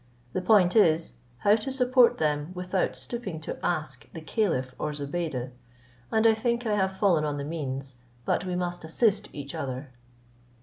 The point is, how to support them without stooping to ask the caliph or Zobeide: and I think I have fallen on the means; but we must assist each other."